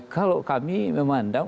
kalau kami memandang